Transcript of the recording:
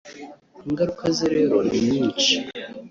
Ingaruka zo rero ni nyinshi